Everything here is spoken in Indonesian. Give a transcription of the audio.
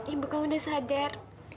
ibu kamu udah sadar